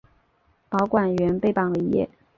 保管员被绑了一夜。